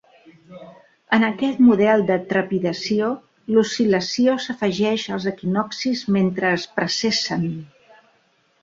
En aquest model de trepidació, l'oscil·lació s'afegeix als equinoccis mentre es precessen.